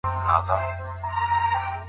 محصلان د درس يادښتونه اخيستل.